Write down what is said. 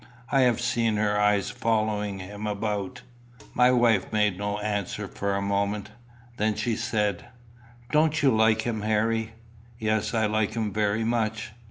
I have seen her eyes following him about." My wife made no answer for a moment. Then she said, "Don't you like him, Harry?" "Yes. I like him very much."